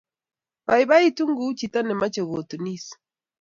Baibai ku chito nemeche kotunis